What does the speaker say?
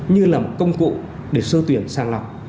như là một công cụ để sơ tuyển sàng lọc